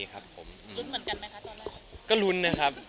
ก็รุนนะครับ